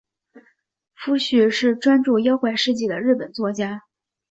夫婿是专注妖怪事迹的日本作家。